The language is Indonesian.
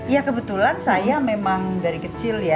ya kebetulan saya memang dari kecil ya